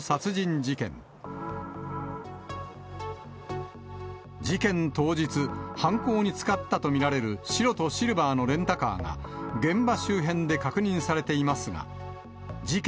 事件当日、犯行に使ったと見られる白とシルバーのレンタカーが、現場周辺で確認されていますが、事件